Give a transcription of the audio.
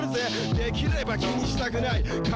「できれば気にしたくない金